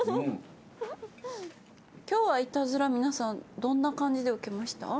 今日はイタズラ皆さんどんな感じで受けました？